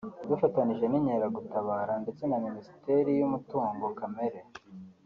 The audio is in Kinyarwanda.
Dufanyije n’inkeragutabara ndetse na Minisiteri y’umutungo kamere[